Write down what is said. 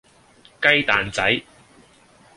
雞蛋仔